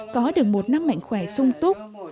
có được một năm mạnh khỏe sung túc